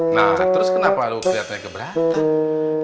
nah terus kenapa lu keliatannya gebratan